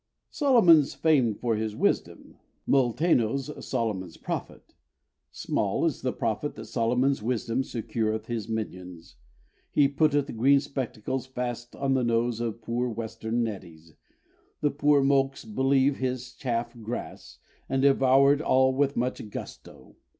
Solomon's famed for his wisdom, Molteno's Solomon's prophet Small is the profit that Solomon's wisdom secureth his minions; He putteth green spectacles fast on the nose of poor Western neddies, The poor mokes believe his chaff grass, and devour it all with much gusto.